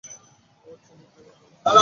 ও চিনোর প্রেমে পড়েছে।